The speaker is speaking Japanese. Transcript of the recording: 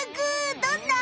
どんな？